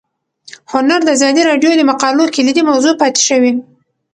هنر د ازادي راډیو د مقالو کلیدي موضوع پاتې شوی.